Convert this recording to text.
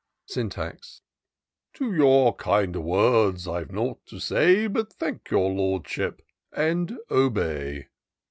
'' Syntax. To your kind words I've nought to say, But thank your Lordship, and obey.